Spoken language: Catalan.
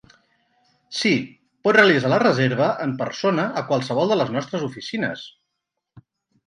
Sí, pot realitzar la reserva en persona a qualsevol de les nostres oficines.